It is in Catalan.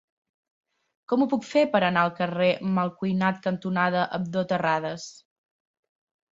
Com ho puc fer per anar al carrer Malcuinat cantonada Abdó Terradas?